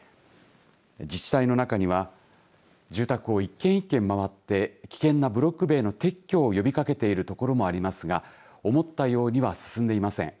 自治体の中には住宅を一軒一軒回って危険なブロック塀の撤去を呼びかけている所もありますが思ったようには進んでいません。